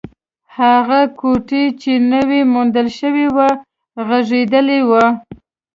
هغه کوټې چې نوې موندل شوې وه، غږېدلې وه.